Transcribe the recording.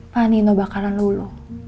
pak nino bakalan luluh